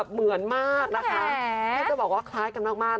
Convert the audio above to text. เหมือนจริง